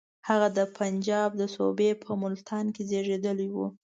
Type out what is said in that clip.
هغه د پنجاب د صوبې په ملتان کې زېږېدلی وو.